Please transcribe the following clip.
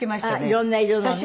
色んな色のをね。